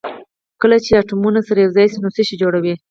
کله چې اتومونه سره یو ځای شي نو څه شی جوړوي